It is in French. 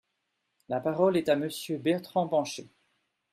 La parole est à Monsieur Bertrand Pancher.